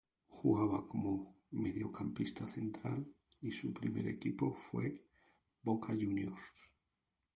Juega como mediocampista central y su primer equipo fue Boca Juniors.